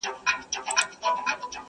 هم یې وروڼه هم ورېرونه وه وژلي،